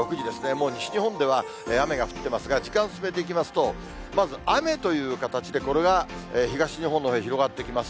もう西日本では雨が降ってますが、時間進めていきますと、まず雨という形で、これが東日本のほうへ広がってきます。